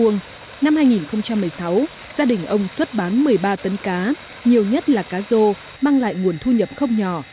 năm hai nghìn một mươi sáu gia đình ông xuất bán một mươi ba tấn cá nhiều nhất là cá rô mang lại nguồn thu nhập không nhỏ